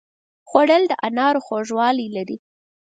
خوړل د انارو خوږوالی لري